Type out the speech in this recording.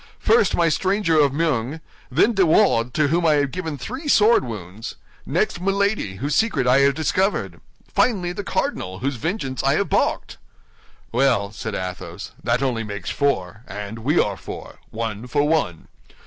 First, my stranger of Meung; then De Wardes, to whom I have given three sword wounds; next Milady, whose secret I have discovered; finally, the cardinal, whose vengeance I have balked." "Well," said Athos, "that only makes four; and we are four—one for one.